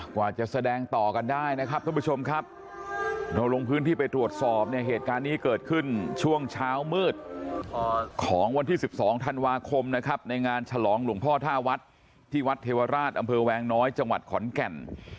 กว่าจะแสดงต่อกันได้นะครับท่านผู้ชมครับเราลงพื้นที่ไปตรวจสอบเนี่ยเหตุการณ์นี้เกิดขึ้นช่วงเช้ามืดของวันที่๑๒ธันวาคมนะครับในงานฉลองหลวงพ่อท่าวัดที่วัดเทวราชอำเภอแวงน้อยจังหวัดขอนแก่น